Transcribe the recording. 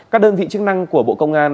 các đơn vị chức năng của bộ công an